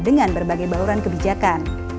dengan berbagai bauran kebijakan